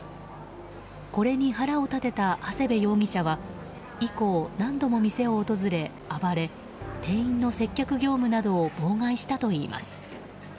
これに腹を立てたハセベ容疑者は以降、何度も店を訪れ暴れ店員の接客業務などを妨害したといいます。